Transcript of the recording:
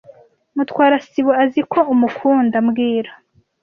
Mutwara sibo azi ko umukunda mbwira .